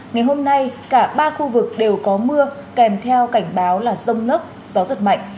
ngày hôm nay cả ba khu vực đều có mưa kèm theo cảnh báo là rông lốc gió giật mạnh